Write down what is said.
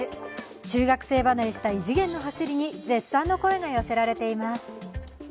中学生離れした異次元の走りに絶賛の声が寄せられています。